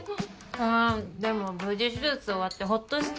でも無事手術終わってほっとした。